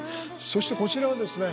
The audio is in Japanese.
そしてこちらはですね